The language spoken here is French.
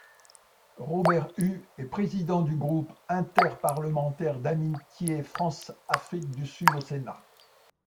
Robert Hue est président du groupe interparlementaire d’amitié France Afrique du Sud au Sénat.